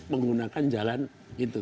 menggunakan jalan gitu